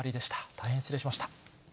大変失礼しました。